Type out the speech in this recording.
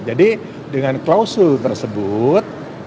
jadi dengan klausul tersebut